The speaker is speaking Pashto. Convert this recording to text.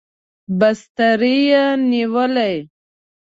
بستره یې نیولې.